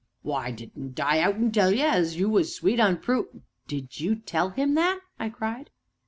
"Why, didn't I out an' tell un as you was sweet on Prue " "Did you tell him that?" I cried.